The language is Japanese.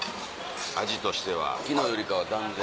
味としては昨日よりかは断然。